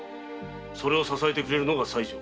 それを支えてくれるのが妻。